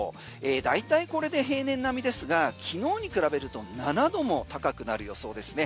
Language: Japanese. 大体これで平年並みですが昨日に比べると７度も高くなる予想ですね。